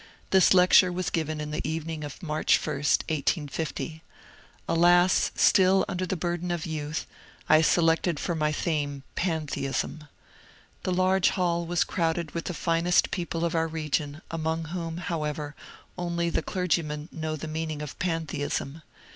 This lecture was given in the evening of March 1, 1850. Alas, still under the burden of youth, I selected for my theme " Pantheism." The large hall was crowded with the finest people of our region, among whom, however, only the clergymen know the meaning of Pantheism.